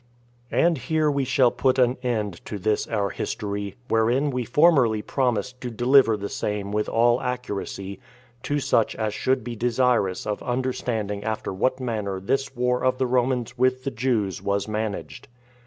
5. And here we shall put an end to this our history; wherein we formerly promised to deliver the same with all accuracy, to such as should be desirous of understanding after what manner this war of the Romans with the Jews was managed.